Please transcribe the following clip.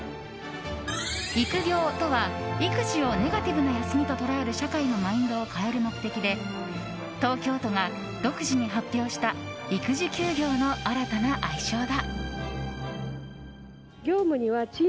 育業とは育児をネガティブな休みと捉える社会のマインドを変える目的で東京都が独自に発表した育児休業の新たな愛称だ。